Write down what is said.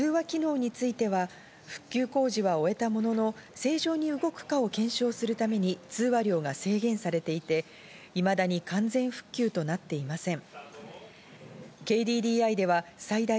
しかし、通話機能については復旧工事は終えたものの、正常に動くかを検証するために通話量が制限されていて、いまだに完全復旧となっていません。